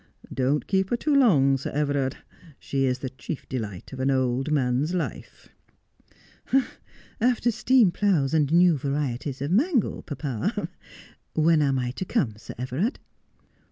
Don't keep her too long, Sir Everard ; she is the chief delight of an old man's life.' 'After steam ploughs and new varieties of mangel, papa. When am I to come, Sir Everard